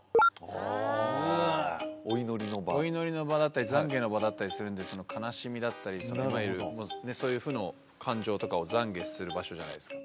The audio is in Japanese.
あお祈りの場お祈りの場だったりざんげの場だったりするんでその悲しみだったりいわゆるそういう負の感情とかをざんげする場所じゃないですか